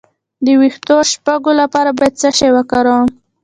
د ویښتو د شپږو لپاره باید څه شی وکاروم؟